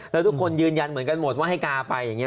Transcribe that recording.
แล้วทุกคนยืนยันเหมือนกันหมดว่าให้กาไปอย่างนี้